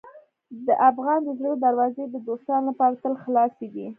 د افغان د زړه دروازې د دوستانو لپاره تل خلاصې دي.